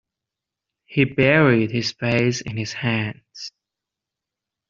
He buried his face in his hands.